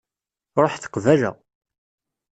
Ruḥet qbala.